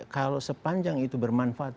kalau sepanjang itu bermanfaat